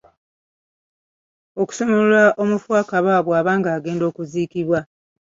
Kusumulula mufu kaba bw'aba nga agenda okuziikibwa.